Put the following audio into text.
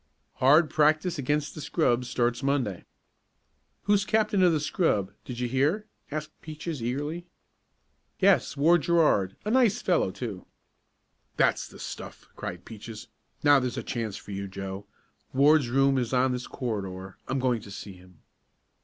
"Hard practice against the scrub starts Monday." "Who's captain of the scrub; did you hear?" asked Peaches eagerly. "Yes, Ward Gerard a nice fellow, too." "That's the stuff!" cried Peaches. "Now there's a chance for you, Joe. Ward's room is on this corridor. I'm going to see him."